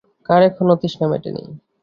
কার এখনো তৃষ্ণা মেটেনি?